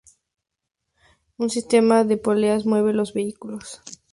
Un sistema de poleas mueve los vehículos.